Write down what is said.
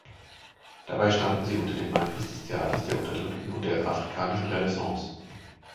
Dabei standen sie unter dem Einfluss des Theaters der Unterdrückten und der Afrikanischen Renaissance.